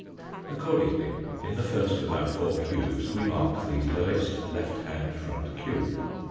Accordingly in the first of our four cubes we mark the lowest left hand front cube.